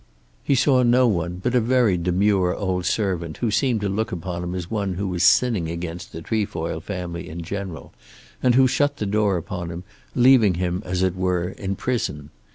He saw no one but a very demure old servant who seemed to look upon him as one who was sinning against the Trefoil family in general, and who shut the door upon him, leaving him as it were in prison.